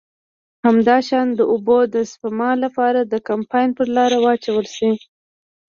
همداشان د اوبو د سپما له پاره د کمپاین پر لاره واچول شي.